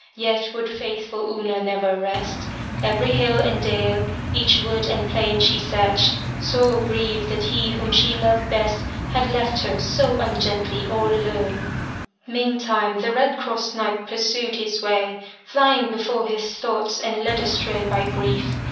Yet would faithful Una never rest. Every hill and dale, each wood and plain she searched, sore grieved that he whom she loved best had left her so ungently all alone. 19 MY BOOK HOUSE Meantime the Red Cross Knight pursued his way, flying before his thoughts and led astray by grief.